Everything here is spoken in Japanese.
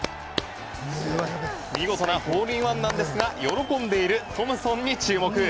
見事なホールインワンなんですが喜んでいるトムソンに注目。